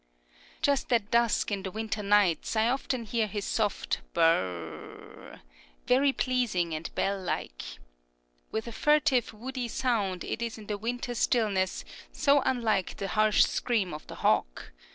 Just at dusk in the winter nights, I often hear his soft bur r r r, very pleasing and bell like. What a furtive, woody sound it is in the winter stillness, so unlike the harsh scream of the hawk!